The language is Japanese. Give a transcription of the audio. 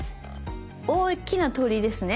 大きな鳥居ですね。